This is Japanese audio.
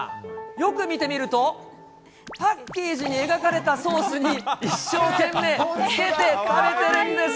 よく見てみると、パッケージに描かれたソースに、一生懸命つけて食べているんです。